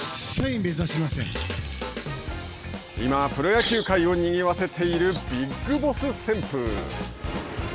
今、プロ野球界をにぎわせているビッグボス旋風。